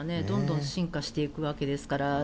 どんどん進化していくわけですから。